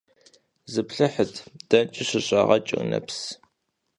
Зыплъыхьыт – дэнкӀи щыщӀагъэкӀыр нэпс…